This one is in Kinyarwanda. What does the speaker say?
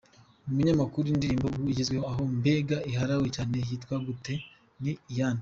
Umunyamakuru: Indirimbo ubu igezweho aho mbega iharawe cyane yitwa gute? ni iyande?.